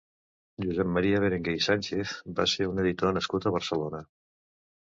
Josep Maria Berenguer i Sánchez va ser un editor nascut a Barcelona.